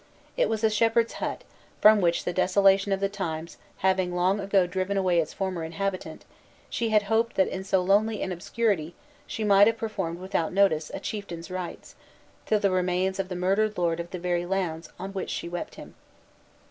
It was a shepherd's hut, from which the desolation of the times having long ago driven away its former inhabitant, she had hoped that in so lonely an obscurity, she might have performed without notice, a chieftain's rites, to the remains of the murdered lord of the very lands on which she wept him.